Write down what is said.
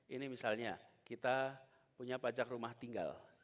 ini misalnya kita punya pajak rumah tinggal